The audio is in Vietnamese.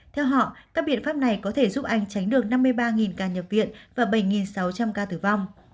theo họ các biện pháp này có thể giúp anh tránh được năm mươi ba ca nhập viện và bảy sáu trăm linh ca tử vong